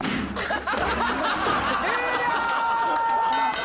終了！